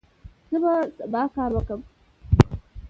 زه به سبا کار وکړم.